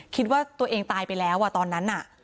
คิดว่าตัวเองตายไปแล้วตอนนั้นน่ะ